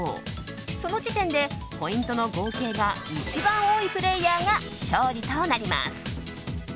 その時点でポイントの合計が一番多いプレーヤーが勝利となります。